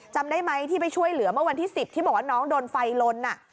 จำได้ไหมที่ไปช่วยเหลือเมื่อวันที่๑๐ที่บอกว่าน้องโดนไฟลน